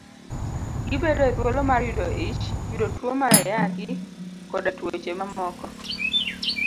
Gibedo e thuolo mar yudo ich, yudo tuo mar Ayaki, koda tuoche mamoko.